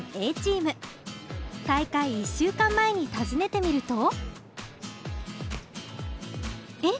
大会１週間前に訪ねてみるとえ？